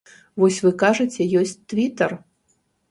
Вось вы кажаце, ёсць твітар.